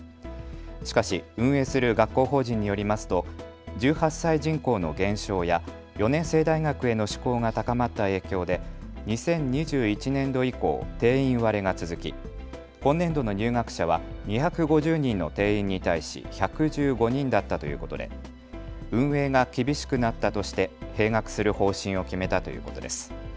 しかし運営する学校法人によりますと１８歳人口の減少や４年制大学への志向が高まった影響で２０２１年度以降、定員割れが続き、今年度の入学者は２５０人の定員に対し１１５人だったということで運営が厳しくなったとして閉学する方針を決めたということです。